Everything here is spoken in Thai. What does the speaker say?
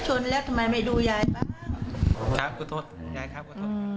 ชนแล้วทำไมไม่ดูยายบ้างครับขอโทษยายครับขอโทษ